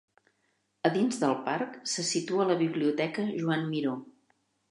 A dins del parc se situa la biblioteca Joan Miró.